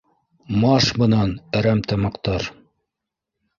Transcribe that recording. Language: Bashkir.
Марш бынан әремтамаҡтар!